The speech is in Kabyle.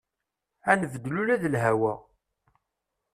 Ad nbeddel ula d lhawa.